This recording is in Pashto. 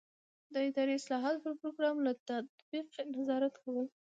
د اداري اصلاحاتو د پروګرام له تطبیق نظارت کول.